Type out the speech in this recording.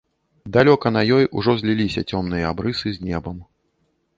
Далёка на ёй ужо зліліся цёмныя абрысы з небам.